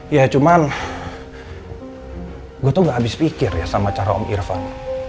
ya cuman gue tuh gak habis pikir ya sama cara om irfan